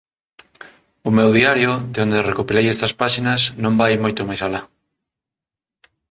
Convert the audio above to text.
O meu diario, de onde recompilei estas páxinas, non vai moito máis alá.